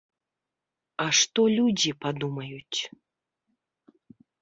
А што людзі падумаюць?!